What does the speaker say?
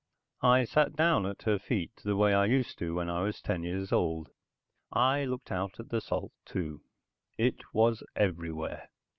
I sat down at her feet, the way I used to when I was ten years old. I looked out at the salt, too. It was everywhere.